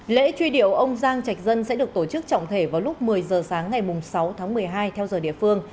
lễ truy điệu ông giang trạch dân sẽ được tổ chức trọng thể vào lúc một mươi giờ sáng ngày sáu tháng một mươi hai theo giờ địa phương